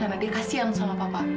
karena dia kasian sama papa